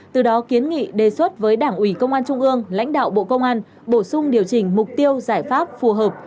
từ đó kiến nghị đề xuất với đảng ủy công an trung ương lãnh đạo bộ công an bổ sung điều chỉnh mục tiêu giải pháp phù hợp